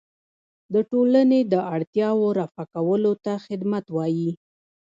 د ټولنې د اړتیاوو رفع کولو ته خدمت وایي.